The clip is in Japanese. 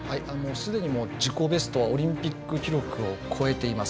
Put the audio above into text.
すでに自己ベストはオリンピック記録を超えています。